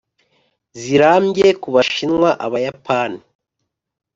zirambye ku bashinwa, abayapani,